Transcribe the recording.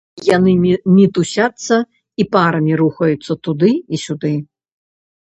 Яны мітусяцца і парамі рухаюцца туды і сюды.